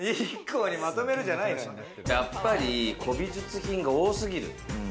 やっぱり古美術品が多すぎる。